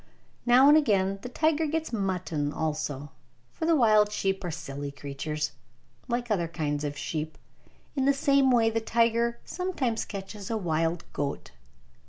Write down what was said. Now and again the tiger gets mutton also, for the wild sheep are silly creatures, like other kinds of sheep. In the same way the tiger sometimes catches a wild goat.